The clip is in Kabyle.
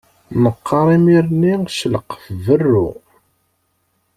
Neqqaṛ imir-nni celqef berru.